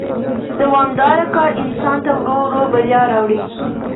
دوامدار کار انسان ته ورو ورو بریا راوړي